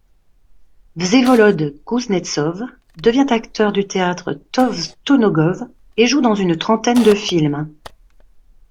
Vsevolod Kouznetsov devient acteur du Théâtre Tovstonogov et joue dans une trentaine de films.